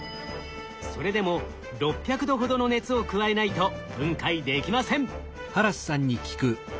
それでも６００℃ほどの熱を加えないと分解できません。